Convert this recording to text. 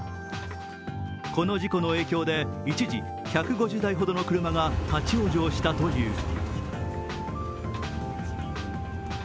この事故の影響で一時１５０台ほどの車が立往生したという。